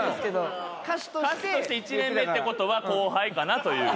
歌手として１年目ってことは後輩かなという。